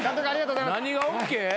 何がＯＫ？